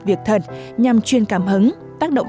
việc thật nhằm chuyên cảm hứng